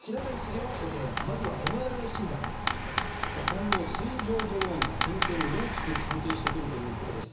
今後、水上ドローンが戦況に大きく関係してくるということです。